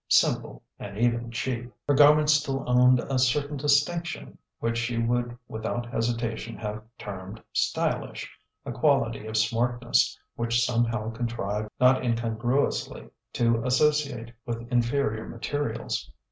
Simple, and even cheap, her garments still owned a certain distinction which she would without hesitation have termed "stylish": a quality of smartness which somehow contrived not incongruously to associate with inferior materials.